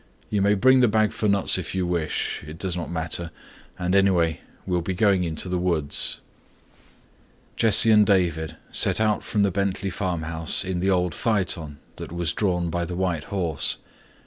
You may bring the bag for nuts if you wish. It does not matter and anyway we will be going into the woods." Jesse and David set out from the Bentley farmhouse in the old phaeton that was drawn by the white horse.